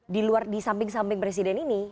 di luar di samping samping presiden ini